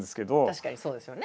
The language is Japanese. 確かにそうですよね。